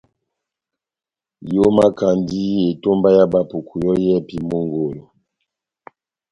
Ihomakandi etomba ya Bapuku yɔ́ yɛ́hɛ́pi mongolo.